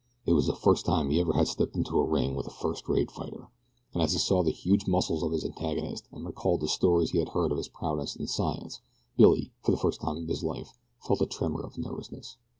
It was the first time he ever had stepped into a ring with a first rate fighter, and as he saw the huge muscles of his antagonist and recalled the stories he had heard of his prowess and science, Billy, for the first time in his life, felt a tremor of nervousness.